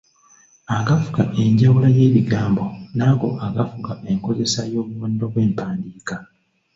Agafuga enjawula y’ebigambo n’ago agafuga enkozesa y’obubonero bw’empandiika.